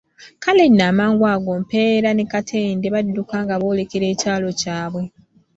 Kale nno amangu ago Mpeera ne Katende badduka nga boolekera ekyalo kyabwe.